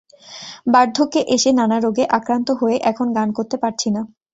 বার্ধক্যে এসে নানা রোগে আক্রান্ত হয়ে এখন গান করতে পারছি না।